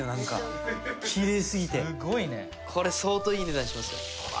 これ相当いい値段しますよ。